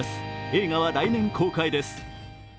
映画は来年公開です。